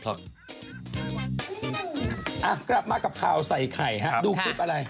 กลับมากับข่าวใส่ไข่ฮะดูคลิปอะไร